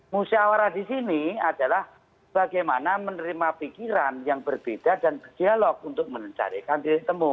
musyawarah disini adalah bagaimana menerima pikiran yang berbeda dan berdialog untuk mencarikan ditemu